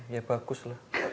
ya bagus lah